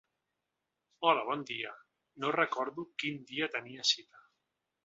Hola bon dia, no recordo quin dia tenia cita.